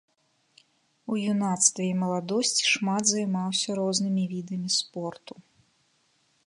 У юнацтве і маладосці шмат займаўся рознымі відамі спорту.